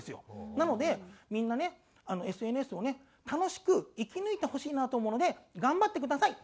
なのでみんなねＳＮＳをね楽しく生き抜いてほしいなと思うので頑張ってください。